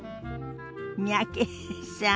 三宅さん